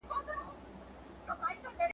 نه ملخ نه یې تر خوله خوږه دانه سوه ..